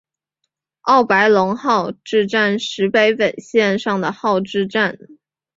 奥白泷号志站石北本线上的号志站。